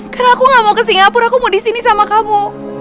karena aku gak mau ke singapura aku mau disini sama kamu